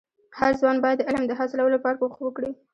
هرځوان باید د علم د حاصلولو لپاره کوښښ وکړي.